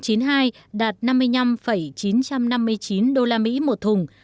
xăng ron chín mươi hai đạt năm mươi năm chín trăm năm mươi chín đô la mỹ một thùng